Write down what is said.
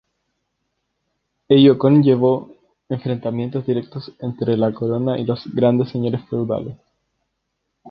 Ello conllevó enfrentamientos directos entre la Corona y los grandes señores feudales.